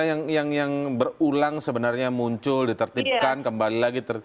ini kan masalah yang berulang sebenarnya muncul ditertibkan kembali lagi